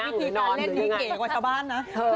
วิธีการเล่นนี้เก่กกว่าชาวบ้านนะ